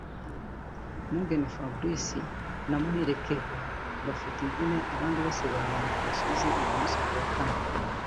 Mugheni Fabrice na Muhire Kevin bafite imvune abandi bose baramanuka i Rusizi uyu munsi (kuwa Kane)